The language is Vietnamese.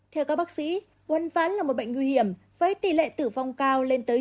theo các bác sĩ quân phán là một bệnh nguy hiểm với tỷ lệ tử vong cao lên tới chín mươi năm